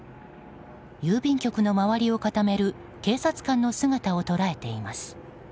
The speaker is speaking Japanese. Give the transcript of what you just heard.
郵便局の周りを固める警察官の姿を捉えています。